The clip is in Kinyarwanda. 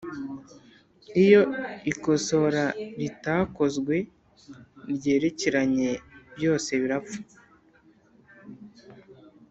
Iyo ikosora ritakozwe ryerekeranye byose birapfa